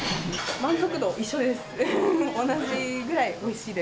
満足度一緒です。